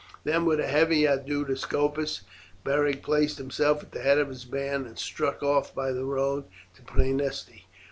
Then with a hearty adieu to Scopus Beric placed himself at the head of his band and struck off by the road to Praeneste.